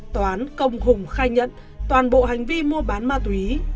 toán công hùng khai nhận toàn bộ hành vi mua bán ma túy